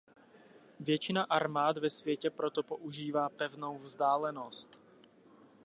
Většina armád ve světě proto používá pevnou vzdálenost.